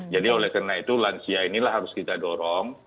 jadi oleh karena itu lansia inilah harus kita dorong